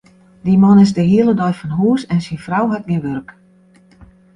Dy man is de hiele dei fan hûs en syn frou hat gjin wurk.